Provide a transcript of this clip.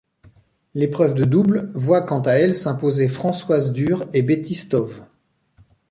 L'épreuve de double voit quant à elle s'imposer Françoise Dürr et Betty Stöve.